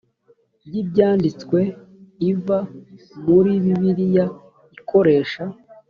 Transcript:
y ibyanditswe iva muri bibiliya ikoresha